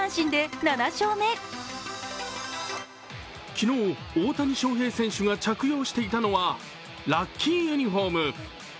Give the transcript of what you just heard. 昨日、大谷翔平選手が着用していたのはラッキーユニフォーム。